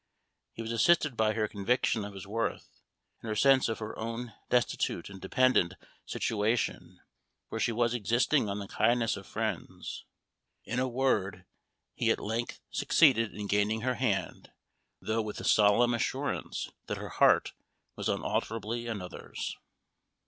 He was assisted by her conviction of his worth, and her sense of her own destitute and dependent situation, for she was existing on the kindness of friends. In a word, he at length succeeded in gaining her hand, though with the solemn assurance, that her heart was unalterably another's.